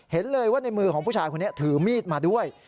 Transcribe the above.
เห็นเลยว่าในมือของผู้ชายคนนี้ถือมีดมาด้วย